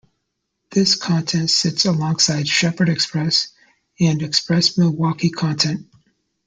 This content sits alongside "Shepherd Express" and Express Milwaukee content.